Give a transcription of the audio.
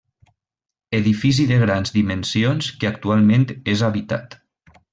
Edifici de grans dimensions que actualment és habitat.